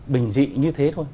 bình dị như thế thôi